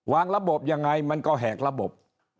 ระบบยังไงมันก็แหกระบบ